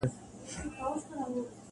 بل وايي چي روغتون ته وړل سوې نه ده-